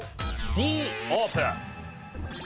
Ｄオープン！